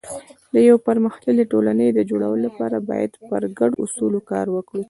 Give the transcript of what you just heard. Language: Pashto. د یو پرمختللي ټولنې د جوړولو لپاره باید پر ګډو اصولو کار وکړو.